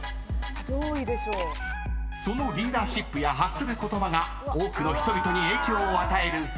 ［そのリーダーシップや発する言葉が多くの人々に影響を与える］